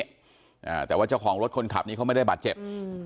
อ่าแต่ว่าเจ้าของรถคนขับนี้เขาไม่ได้บาดเจ็บอืม